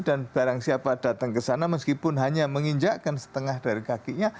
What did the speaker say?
dan barang siapa datang ke sana meskipun hanya menginjakan setengah dari kakinya